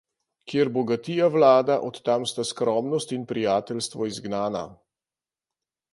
Kjer bogatija vlada, od tam sta skromnost in prijateljstvo izgnana.